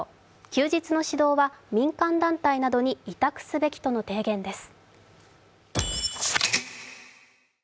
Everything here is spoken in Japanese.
休日の指導は民間団体などに委託すべきなどと提言です。